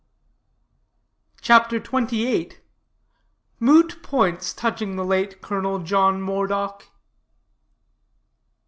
CHAPTER XXVIII. MOOT POINTS TOUCHING THE LATE COLONEL JOHN MOREDOCK.